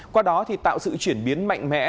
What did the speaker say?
qua đó thì tạo sự chuyển biến mạnh mẽ